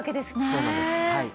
そうなんです。